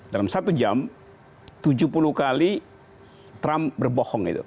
dalam satu jam tujuh puluh kali trump berbohong gitu